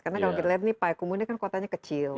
karena kalau kita lihat nih payakumbuh ini kan kotanya kecil